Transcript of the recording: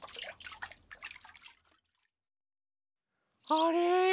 あれ？